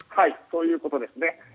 そういうことですね。